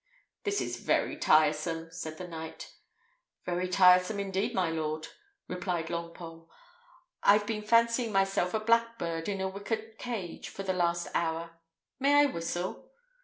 "This is very tiresome," said the knight. "Very tiresome, indeed, my lord!" replied Longpole. "I've been fancying myself a blackbird in a wicker cage for the last hour. May I whistle?"